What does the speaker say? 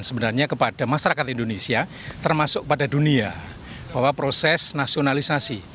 sebenarnya kepada masyarakat indonesia termasuk pada dunia bahwa proses nasionalisasi